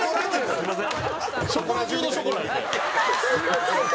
すいません。